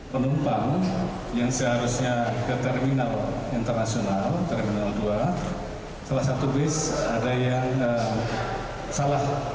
penumpang yang seharusnya ke terminal internasional terminal dua salah satu bis ada yang salah